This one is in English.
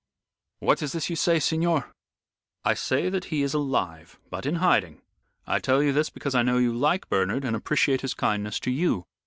"What is this you say, signor?" "I say that he is alive, but in hiding. I tell you this because I know you like Bernard and appreciate his kindness to you."